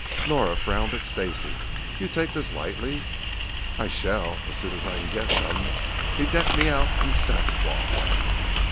Nora frowned at Stacey. "You take this lightly." "I shall as soon as I can get some bedeck me out in sackcloth."